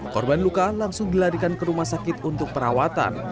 korban luka langsung dilarikan ke rumah sakit untuk perawatan